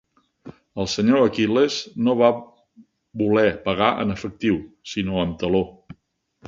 El senyor Aquil·les no va voler pagar en efectiu, sinó amb taló.